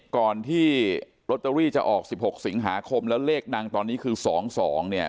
ก่อนที่ลอตเตอรี่จะออก๑๖สิงหาคมแล้วเลขดังตอนนี้คือ๒๒เนี่ย